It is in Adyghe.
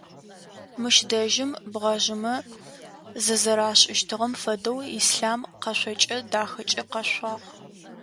Мыщ дэжьым бгъэжъымэ зызэрашӏыщтыгъэм фэдэу Ислъам къэшъокӏэ дахэкӏэ къэшъуагъ.